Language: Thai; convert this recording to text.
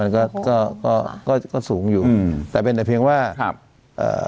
มันก็ก็ก็ก็ก็สูงอยู่อืมแต่เป็นแต่เพียงว่าครับเอ่อ